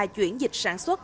chuyển dịch sản xuất